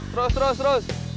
terus terus terus